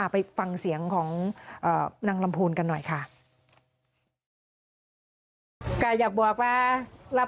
ไปฟังเสียงของนางลำพูนกันหน่อยค่ะ